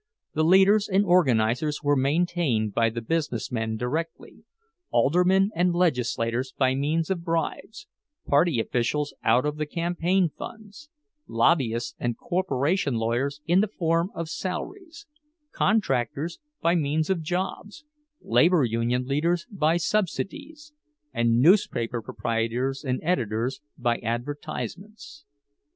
The leaders and organizers were maintained by the business men directly—aldermen and legislators by means of bribes, party officials out of the campaign funds, lobbyists and corporation lawyers in the form of salaries, contractors by means of jobs, labor union leaders by subsidies, and newspaper proprietors and editors by advertisements.